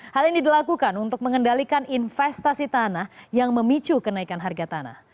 hal ini dilakukan untuk mengendalikan investasi tanah yang memicu kenaikan harga tanah